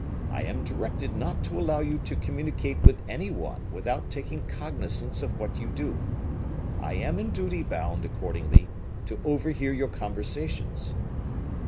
I am directed not to allow you to communicate with any one without taking cognizance of what you do; I am in duty bound, accordingly, to overhear your conversations."